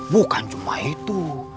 bukan cuma itu